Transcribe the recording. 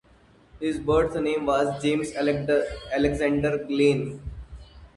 His birth name was James Alexander Glenn.